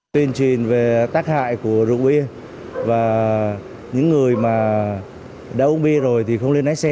tuyên truyền về tắc hại của rượu bia và những người đã uống bia rồi thì không lên lái xe